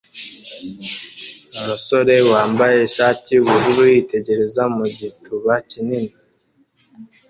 Umusore wambaye ishati yubururu yitegereza mu gituba kinini